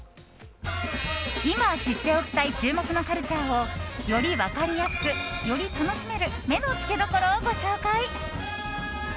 今、知っておきたい注目のカルチャーをより分かりやすくより楽しめる目のつけどころをご紹介。